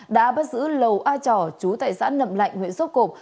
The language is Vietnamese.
đã bắt giữ lầu a chỏ trú tại xã nậm lạnh huyện sốp cộp